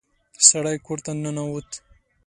سړی کور ته ننوت.